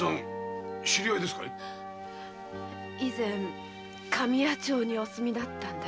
以前神谷町にお住まいだったんだよ。